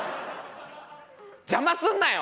邪魔するなよ！